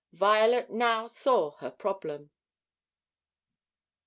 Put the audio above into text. Violet now saw her problem.